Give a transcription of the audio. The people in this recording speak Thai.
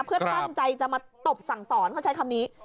เพื่อตั้งใจจะมาตบสั่งสอนเขาใช้คำนี้